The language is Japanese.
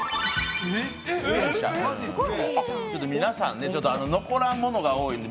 自転車、皆さん残らんものが多いので。